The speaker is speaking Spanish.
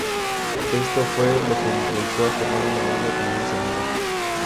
Esto fue lo que lo impulsó a formar una banda con unos amigos.